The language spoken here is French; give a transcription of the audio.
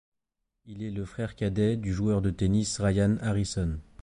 Il est le frère cadet du joueur de tennis Ryan Harrison.